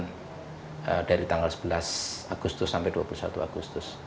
dan dari tanggal sebelas agustus sampai dua puluh satu agustus